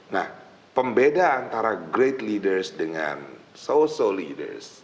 nah pembedaan antara great leaders dengan so so leaders